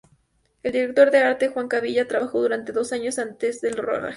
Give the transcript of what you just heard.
El director de arte, Juan Cavia, trabajó durante dos años antes del rodaje.